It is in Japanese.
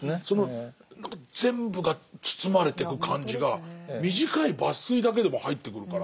その何か全部が包まれてく感じが短い抜粋だけでも入ってくるから。